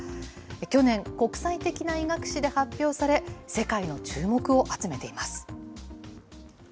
去年、国際的な医学誌で発表され、世界の注目を集めています。